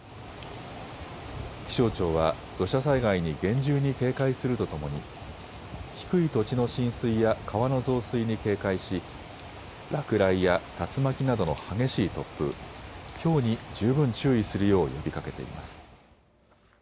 気象庁は土砂災害に厳重に警戒するとともに低い土地の浸水や川の増水に警戒し落雷や竜巻などの激しい突風、ひょうに十分注意するよう呼びかけています。